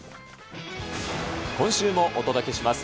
今週もお届けします。